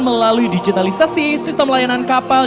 melalui digitalisasi sistem layanan kapal